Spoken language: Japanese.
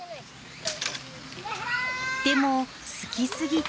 でも好きすぎて。